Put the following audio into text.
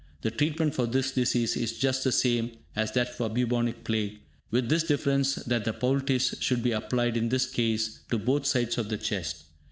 The treatment for this disease is just the same as that for Bubonic Plague, with this difference that the poultice should be applied in this case to both sides of the chest.